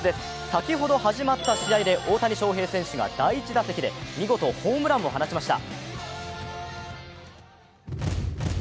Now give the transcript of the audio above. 先ほど始まった試合で大谷翔平選手が第１打席で見事ホームランを放ちました。